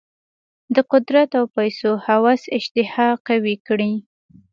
د قدرت او پیسو هوس اشتها قوي کړې.